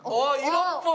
色っぽい！